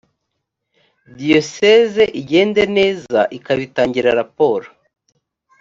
diyoseze igende neza ikabitangira raporo